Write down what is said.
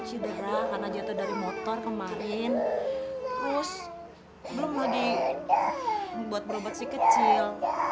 cedera karena jatuh dari motor kemarin terus belum lagi buat berobat si kecil